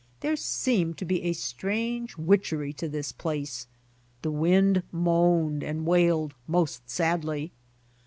There seemed to be a strange witchery in this place. The wind moaned and wailed most sadly.